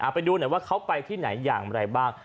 ไปดูหน่อยว่าเขาไปที่ไหนอย่างไรบ้าง